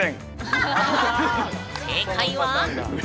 正解は。